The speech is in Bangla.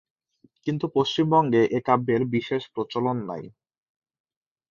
কিন্তু পশ্চিমবঙ্গে এ কাব্যের বিশেষ প্রচলন নাই।